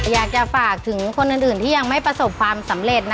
อยากจะฝากถึงคนอื่นที่ยังไม่ประสบความสำเร็จนะ